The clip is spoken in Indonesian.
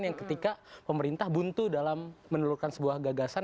yang ketika pemerintah buntu dalam menelurkan sebuah gagasan